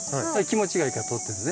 気持ちがいいから通ってるのね。